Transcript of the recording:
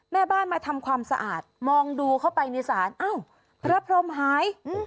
แม่บ้านมาทำความสะอาดมองดูเข้าไปในศาลอ้าวพระพรมหาย